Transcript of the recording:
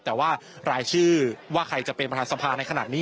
แต่ว่ารายชื่อว่าใครจะเป็นประธานสภาในขณะนี้